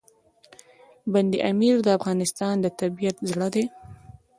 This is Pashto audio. بند امیر د افغانستان د طبیعت زړه دی.